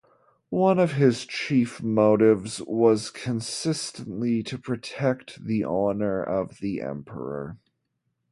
One of his chief motives was consistently to protect the honor of the emperor.